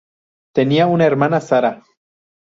Tenía una hermana, Sara.